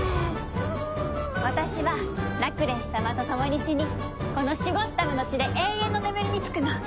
私はラクレス様と共に死にこのシュゴッダムの地で永遠の眠りにつくの。